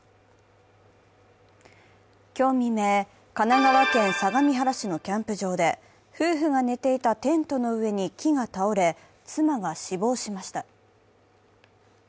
今日未明、神奈川県相模原市のキャンプ場で、夫婦が寝ていたテントの上に木を倒れ、妻が死亡しました。